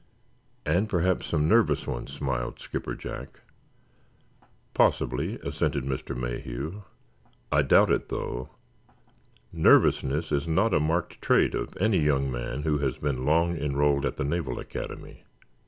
"And perhaps some nervous ones," smiled Skipper Jack. "Possibly," assented Mr. Mayhew. "I doubt it, though. Nervousness is not a marked trait of any young man who has been long enrolled at the Naval Academy."